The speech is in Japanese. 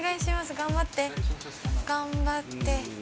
頑張って。